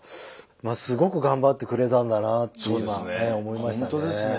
すごく頑張ってくれたんだなっていうのは思いましたね。